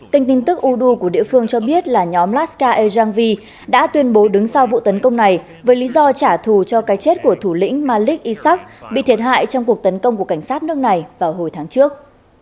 kinh tin tức udu của địa phương cho biết là nhóm laskar ejangvi đã tuyên bố đứng sau vụ tấn công này với lý do trả thù cho cái chết của thủ lĩnh malik ishak bị thiệt hại trong cuộc tấn công của cảnh sát nước này vào hồi tháng trước